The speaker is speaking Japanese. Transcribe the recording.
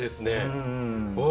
うん。